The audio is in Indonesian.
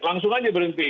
langsung aja berhenti